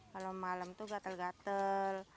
kalau malam tuh gatal gatal